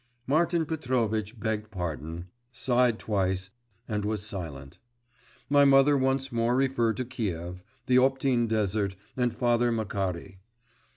Martin Petrovitch begged pardon, sighed twice, and was silent. My mother once more referred to Kiev, the Optin desert, and Father Makary.